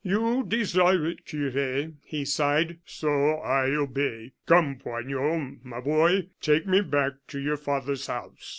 "You desire it, cure," he sighed, "so I obey. Come, Poignot, my boy, take me back to your father's house."